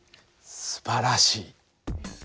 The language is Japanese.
すばらしい。